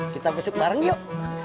kita besuk bareng yuk